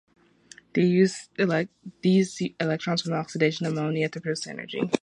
These use electrons from the oxidation of ammonia to produce energy.